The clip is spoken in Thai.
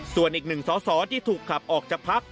ส่วนอีกหนึ่งสอสอที่ถูกขับออกจากพัก